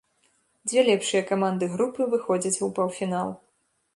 Дзве лепшыя каманды групы выходзяць у паўфінал.